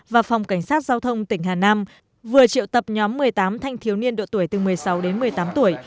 và phòng cảnh sát giao thông tỉnh hà nam vừa triệu tập nhóm một mươi tám thanh thiếu niên độ tuổi từ một mươi sáu đến một mươi tám tuổi